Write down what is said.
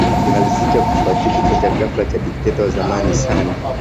kilimalizika kufuatia kifo cha ghafla cha dikteta wa zamani Sani